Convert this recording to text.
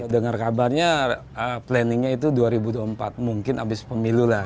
dengar kabarnya planningnya itu dua ribu dua puluh empat mungkin abis pemilu lah